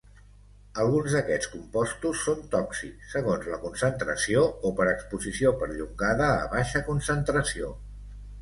Alguns d'aquests compostos són tòxics segons la concentració o per exposició perllongada a baixa concentració.